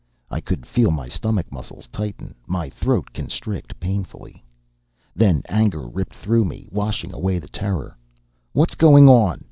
I could feel my stomach muscles tighten, my throat constrict painfully. Then anger ripped through me, washing away the terror. "What's going on?"